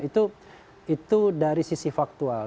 itu dari sisi faktual